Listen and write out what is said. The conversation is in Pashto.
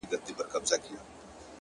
• یو څوک دي ووایي چي کوم هوس ته ودرېدم ـ